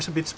nó rất ngon